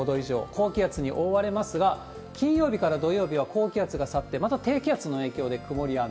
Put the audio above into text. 高気圧に覆われますが、金曜日から土曜日は高気圧が去って、また低気圧の影響で曇りや雨。